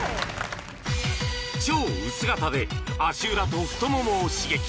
超薄型で足裏と太ももを刺激